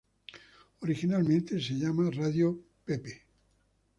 Originalmente se llamaba Radio Jackson.